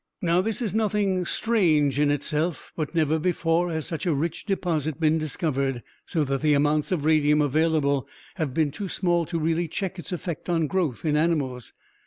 "Now, this is nothing strange in itself, but never before has such a rich deposit been discovered, so that the amounts of radium available have been too small to really check its effect on growth in animals.